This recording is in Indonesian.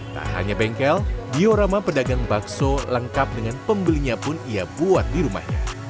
tak hanya bengkel diorama pedagang bakso lengkap dengan pembelinya pun ia buat di rumahnya